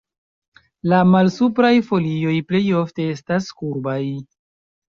La malsupraj folioj plej ofte estas kurbaj.